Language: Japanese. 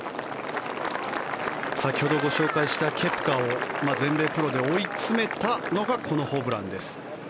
先ほどご紹介したケプカを全米プロで追い詰めたのがこのホブランです。